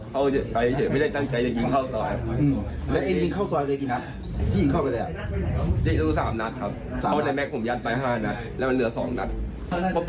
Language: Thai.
เข้าไปเฉยไม่ได้ตั้งใจจะยิงเข้าสวนครับ